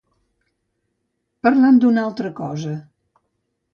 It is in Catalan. Parlant d'una altra cosa...